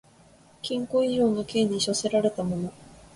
禁錮以上の刑に処せられた者